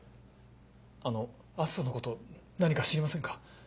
あの篤斗のこと何か知りませんか？